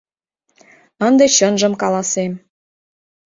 Ынде чынжым каласем.